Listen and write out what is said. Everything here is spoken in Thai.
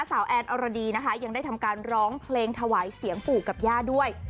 แอนอรดีนะคะยังได้ทำการร้องเพลงถวายเสียงปู่กับย่าด้วย